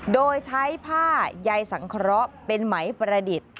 โดยใช้ผ้าใยสังเคราะห์เป็นไหมประดิษฐ์